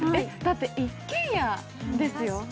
だって一軒家ですよ。